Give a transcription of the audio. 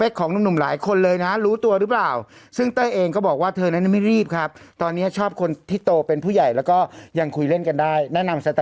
ใช่ค่ะ๑๐๔๗๐แล้วสำหรับวันนี้ผู้ป่วยรายใหม่